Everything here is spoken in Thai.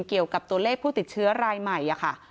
เกี่ยวกับตัวเลขผู้ติดเชื้อรายใหม่ค่ะ